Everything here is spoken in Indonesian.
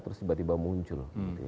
terus tiba tiba muncul